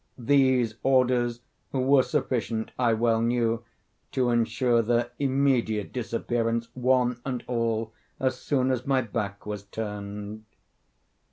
These orders were sufficient, I well knew, to insure their immediate disappearance, one and all, as soon as my back was turned.